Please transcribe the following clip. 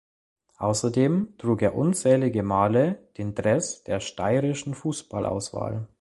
Außerdem trug er unzählige Male den Dress der steirischen Fußballauswahl.